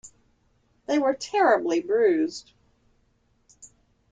They were terribly bruised.